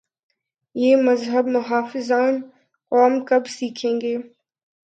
یہ سبق محافظان قوم کب سیکھیں گے؟